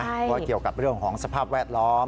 เพราะเกี่ยวกับเรื่องของสภาพแวดล้อม